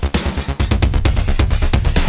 kau untuk ulang